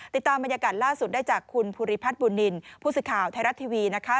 ติดตามบรรยากาศล่าสุดได้จากคุณภูริพัฒน์บุญนินทร์ผู้สื่อข่าวไทยรัฐทีวีนะคะ